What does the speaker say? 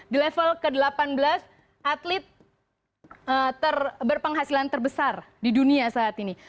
di level ke delapan belas atlet berpenghasilan terbesar di dunia saat ini